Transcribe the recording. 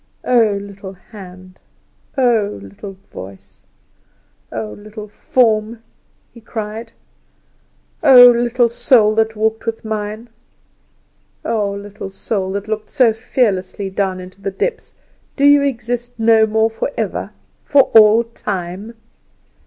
"Oh, little hand! oh, little voice! oh, little form!" he cried; "oh, little soul that walked with mine! oh, little soul, that looked so fearlessly down into the depths, do you exist no more for ever for all time?"